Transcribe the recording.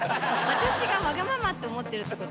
私がわがままって思ってるってこと？